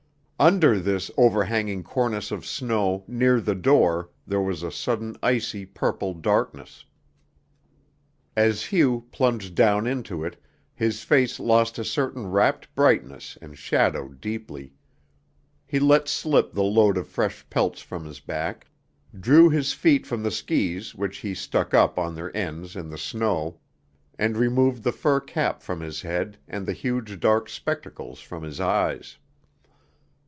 Under this overhanging cornice of snow near the door there was a sudden icy purple darkness. As Hugh plunged down into it, his face lost a certain rapt brightness and shadowed deeply. He let slip the load of fresh pelts from his back, drew his feet from the skis which he stuck up on their ends in the snow, and removed the fur cap from his head and the huge dark spectacles from his eyes.